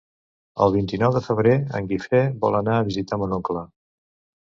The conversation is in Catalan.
El vint-i-nou de febrer en Guifré vol anar a visitar mon oncle.